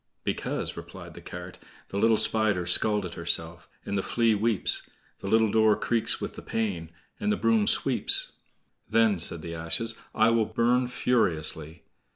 "Because," replied the cart: "The little Spider's scalt herself, And the Flea weeps; The little door creaks with the pain, And the broom sweeps." "Then," said the ashes, "I will burn furiously."